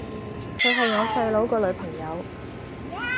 佢係我細佬個女朋友